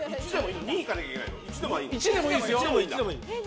１でもいいですよ。